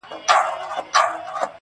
صدقه دي سم تر تكــو تــورو سترگو